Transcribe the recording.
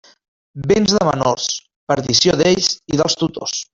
Béns de menors, perdició d'ells i dels tutors.